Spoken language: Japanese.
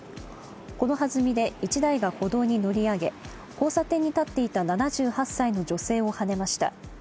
この弾みで１台が歩道に乗り上げ交差点に立っていた７８歳の女性をはねました。